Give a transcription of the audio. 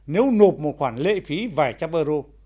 nếu nộp một khoản lệ phí vài trăm euro